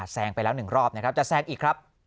แซงไปแล้ว๑รอบนะครับจะแซงอีกครับ